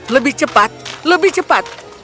lebih cepat lebih cepat